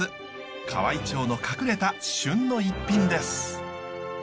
河合町の隠れた旬の逸品です。